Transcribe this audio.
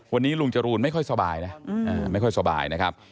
วันนี้ลุงจรูลไม่ค่อยสบายนะ